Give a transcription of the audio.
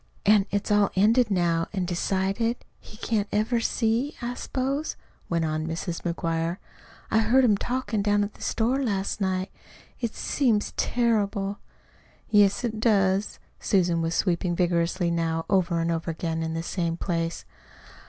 "An' it's all ended now an' decided he can't ever see, I s'pose," went on Mrs. McGuire. "I heard 'em talkin' down to the store last night. It seems terrible." "Yes, it does." Susan was sweeping vigorously now, over and over again in the same place.